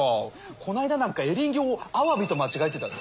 こないだなんかエリンギをアワビと間違えてたぞ。